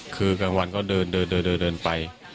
คือกลางวันก็เดินไป